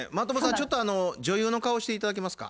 ちょっと女優の顔して頂けますか？